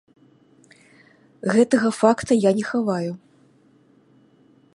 Гэтага факту я не хаваю.